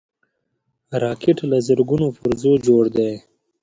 راکټ له زرګونو پرزو جوړ دی